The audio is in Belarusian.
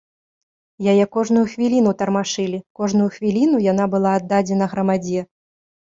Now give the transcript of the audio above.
Яе кожную хвіліну тармашылі, кожную хвіліну яна была аддадзена грамадзе.